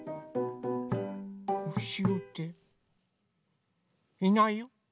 うしろっていないよ。